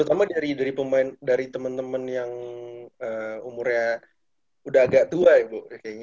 terutama dari temen temen yang umurnya udah agak tua bu